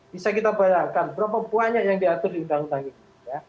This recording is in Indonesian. bisa kita bayangkan berapa banyak yang diatur di undang undang ini